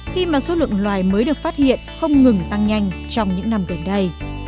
khi mà số lượng loài mới được phát hiện không ngừng tăng nhanh trong những năm gần đây